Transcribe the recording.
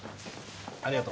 ありがとう。